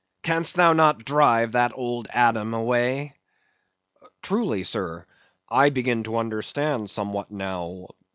Canst thou not drive that old Adam away? Truly, sir, I begin to understand somewhat now.